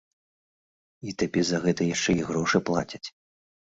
І табе за гэта яшчэ і грошы плацяць.